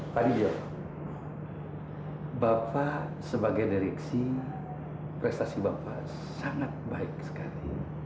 tadi bilang bapak sebagai direksi prestasi bapak sangat baik sekali